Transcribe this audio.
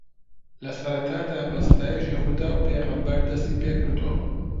لەسەرەتادا بە ستایشی خودا و پێغەمبەر دەستی پێکردووە